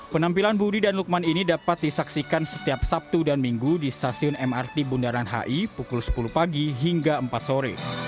penampilan budi dan lukman ini dapat disaksikan setiap sabtu dan minggu di stasiun mrt bundaran hi pukul sepuluh pagi hingga empat sore